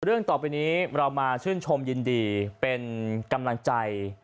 เรื่องต่อไปนี้เรามาชื่นชมยินดีเป็นกำลังใจ